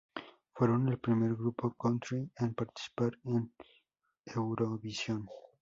Fueron el primer grupo country en participar en Eurovisión.